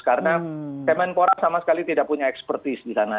karena kemenpora sama sekali tidak punya expertise di sana